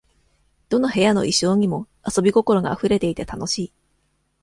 どの部屋の意匠にも、遊び心があふれていて、楽しい。